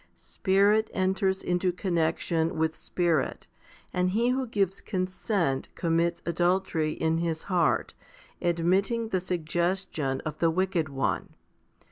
Spirit enters into connexion with spirit, and he who gives consent commits adultery in his heart, admitting the suggestion of the wicked one.